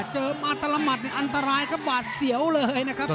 เจอมาตลอดมัดอันตรายครับหวาดเสียวเลยนะครับ